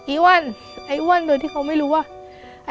อ้วนไอ้อ้วนโดยที่เขาไม่รู้ว่า